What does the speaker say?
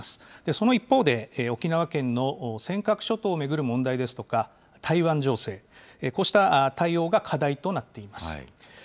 その一方で、沖縄県の尖閣諸島を巡る問題ですとか、台湾情勢、こうした対応が課題となっています。